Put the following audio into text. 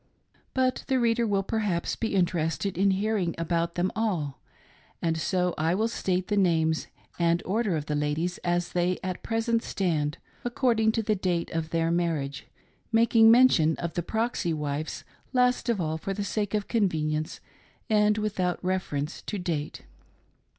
But the reader will per haps be interested in hearing about them all, and so I will state the names and order of the ladies as they at present stand — according to the date of their marriage ; making mention e* the proxy wives last of all,, for the sake of con venience and without reference to date.